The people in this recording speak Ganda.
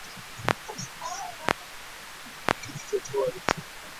Obutonde bwanyiize butusaanyeewo tufe ffenna